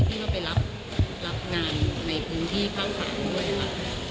ที่เขาไปรับงานในพื้นที่ภาคศาลด้วยครับ